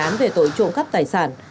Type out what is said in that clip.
hùng có thể tội trộm cắp tài sản